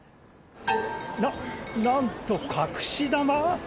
ななんと隠し球！？